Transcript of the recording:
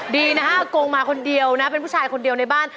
ดีนะฮะโกงมาคนเดียวนะเป็นผู้ชายคนเดียวในบ้าน